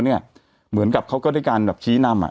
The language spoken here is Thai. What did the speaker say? แต่หนูจะเอากับน้องเขามาแต่ว่า